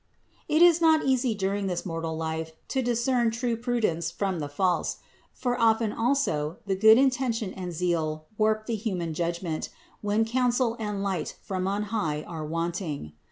5. It is not easy during this mortal life to discern true prudence from the false; for often also the good inten tion and zeal warp the human judgment, when counsel and light from on high are wanting.